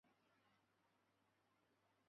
曾任浙江省第八师范学校舍监和国文教师。